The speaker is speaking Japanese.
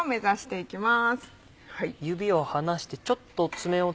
いきます。